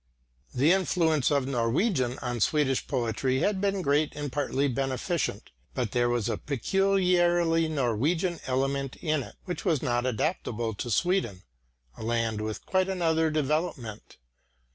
The influence of Norwegian on Swedish poetry has been great and partly beneficent, but there was a peculiarly Norwegian element in it, which was not adaptable to Sweden, a land with quite another development.